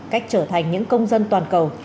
cách trở thành những công dân toàn cầu